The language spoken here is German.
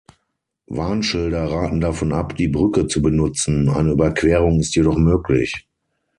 Warnschilder raten davon ab, die Brücke zu benutzen; eine Überquerung ist jedoch möglich.